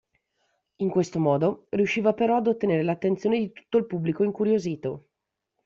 In questo modo riusciva però ad ottenere l'attenzione di tutto il pubblico incuriosito.